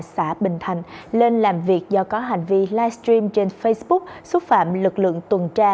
xã bình thành lên làm việc do có hành vi livestream trên facebook xúc phạm lực lượng tuần tra